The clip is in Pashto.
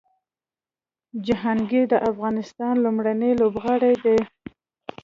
جهانګیر د افغانستان لومړنی لوبغاړی دی